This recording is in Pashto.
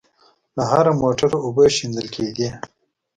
له هره موټره اوبه شېندل کېدې.